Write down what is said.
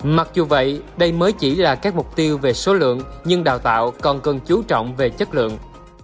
mặc dù vậy đây mới chỉ là các mục tiêu về số lượng nhưng đào tạo còn cần chú trọng về chất lượng